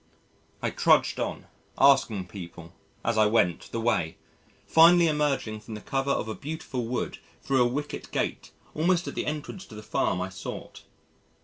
I trudged on, asking people, as I went, the way, finally emerging from the cover of a beautiful wood thro' a wicket gate almost at the entrance to the Farm I sought.